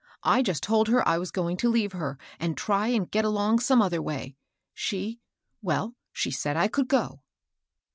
I just told her I was going to leave her, and try and get along some other way ; she — well, she s^d I could go."